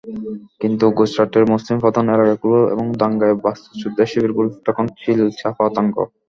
কিন্তু গুজরাটের মুসলিমপ্রধান এলাকাগুলো এবং দাঙ্গায় বাস্তুচ্যুতদের শিবিরগুলোতে তখন ছিল চাপা আতঙ্ক।